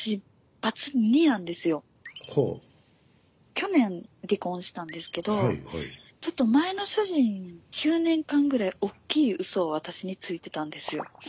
去年離婚したんですけどちょっと前の主人９年間ぐらいおっきいウソを私についてたんですよ。